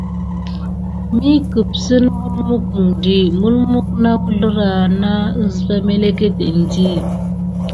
Mi kəpsen melmukdi mulmuk na əzlrah na əsva məleketen di.